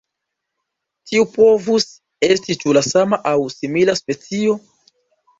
Tiu povus esti ĉu la sama aŭ simila specio.